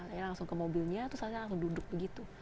saya langsung ke mobilnya terus saya langsung duduk begitu